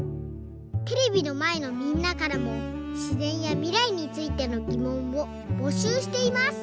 テレビのまえのみんなからもしぜんやみらいについてのぎもんをぼしゅうしています！